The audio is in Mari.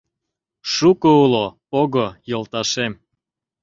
Шуко уло - пого, йолташем.